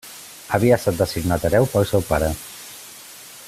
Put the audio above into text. Havia estat designat hereu pel seu pare.